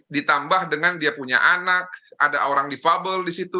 ditambah dengan dia punya anak ada orang di fabel disitu